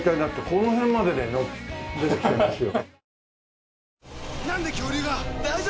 この辺までね出てきてますよ。